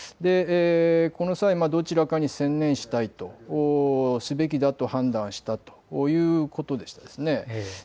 この際どちらかに専念したいとすべきだと判断したということでした。